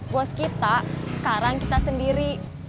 bos kita sekarang kita sendiri